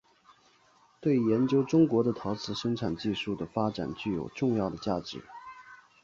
对研究中国的陶瓷生产技术的发展具有重要的价值。